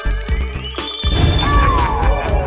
yaudah kak raya jalan dulu deh